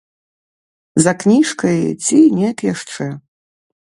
За кніжкай ці неяк яшчэ.